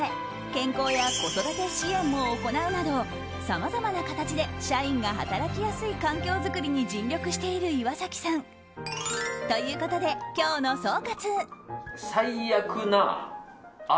健康や子育て支援も行うなどさまざまな形で社員が働きやすい環境づくりに尽力している岩崎さん。ということで今日の総括。